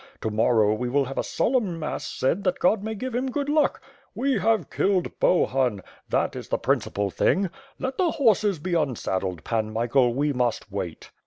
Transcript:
To morrow we will have a solemn mass said that God mav give him good luck. We have killed Bohun — ^that is the WITH FIRE AND SWORD. ^g^ principal thing. Let the horses be unsaddled, Pan Michael — we must wait."